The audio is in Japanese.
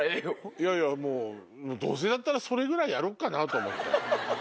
いやいやもうどうせだったらそれぐらいやろっかなと思って。